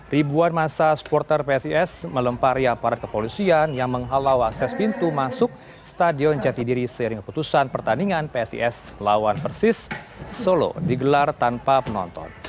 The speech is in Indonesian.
ribuan masa supporter psis melempari aparat kepolisian yang menghalau akses pintu masuk stadion jatidiri seiring keputusan pertandingan psis lawan persis solo digelar tanpa penonton